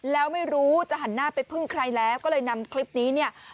แล้วไม่รู้จะหันหน้าไปพึ่งใครแล้วก็เลยนำคลิปนี้เนี่ย